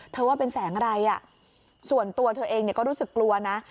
ว่าเป็นแสงอะไรส่วนตัวเธอเองก็รู้สึกกลัวนะ